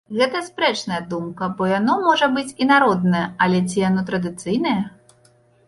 Гэта спрэчная думка, бо яно, можа быць, і народнае, але ці яно традыцыйнае?